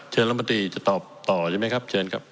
เชิญระดมบัตรีจะตอบต่อใช่มั้ยครับเชิญครับ